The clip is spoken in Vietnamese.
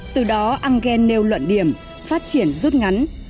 từ đó engel nêu luận điểm phát triển rút ngắn